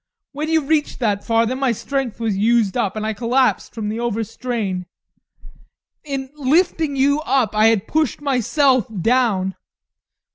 When you reached that far, then my strength was used up, and I collapsed from the overstrain in lifting you up, I had pushed myself down.